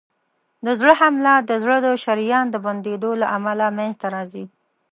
د زړه حمله د زړه د شریان د بندېدو له امله منځته راځي.